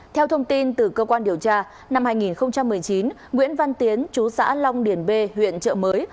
theo thông tin từ cơ quan điều tra năm hai nghìn một mươi chín nguyễn văn tiến chú xã long điền b huyện trợ mới